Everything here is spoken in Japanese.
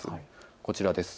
こちらです。